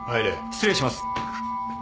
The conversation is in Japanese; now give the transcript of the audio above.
失礼します。